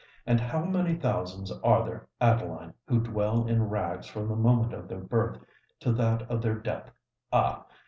And how many thousands are there, Adeline, who dwell in rags from the moment of their birth to that of their death! Ah!